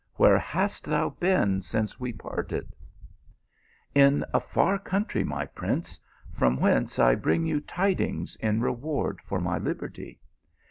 Where hast thou been since we parted ?"" In a far country, my prince ; from whence I bring you tidings in reward for my liberty.